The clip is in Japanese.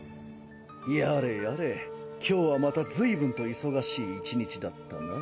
やれやれ今日はまたずいぶんと忙しい１日だったな。